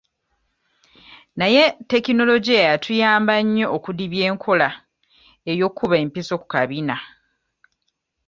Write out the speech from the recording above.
Naye tekinologiya yatuyamba nnyo okudibya enkola y'okkuba empiso ku kabina.